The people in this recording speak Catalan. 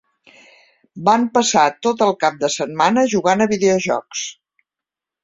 Van passar tot el cap de setmana jugant a videojocs.